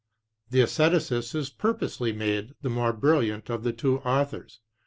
The estheticist is purposely made the more brilliant of the two authors.